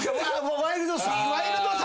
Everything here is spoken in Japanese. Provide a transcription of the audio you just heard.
ワイルドさ？